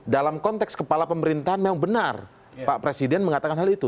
dalam konteks kepala pemerintahan memang benar pak presiden mengatakan hal itu